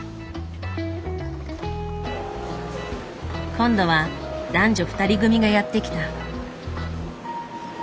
今度は男女２人組がやって来た。